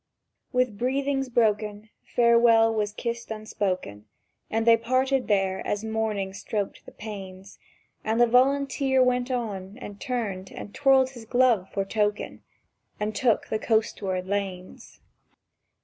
—With breathings broken Farewell was kissed unspoken, And they parted there as morning stroked the panes; And the Volunteer went on, and turned, and twirled his glove for token, And took the coastward lanes.